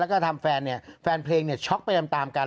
แล้วก็ทำแฟนเนี่ยแฟนเพลงเนี่ยช็อกไปตามกัน